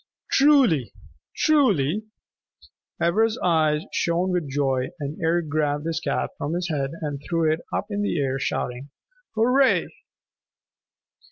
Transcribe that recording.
"Truly, truly?" Ivra's eyes shone with joy, and Eric grabbed his cap from his head and threw it up in the air shouting, "Hurrah!"